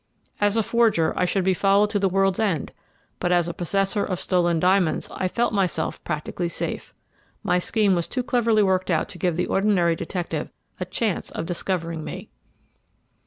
As a forger I should be followed to the world's end, but as the possessor of stolen diamonds I felt myself practically safe. My scheme was too cleverly worked out to give the ordinary detective a chance of discovering me.